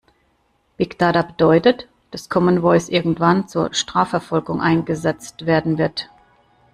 Big Data bedeutet, dass Common Voice irgendwann zur Strafverfolgung eingesetzt werden wird.